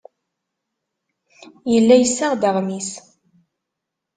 Yella yessaɣ-d aɣmis.